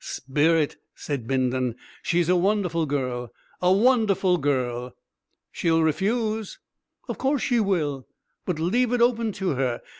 "Spirit!" said Bindon. "She's a wonderful girl a wonderful girl!" "She'll refuse." "Of course she will. But leave it open to her.